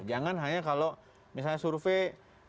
jangan hanya kalau misalnya survei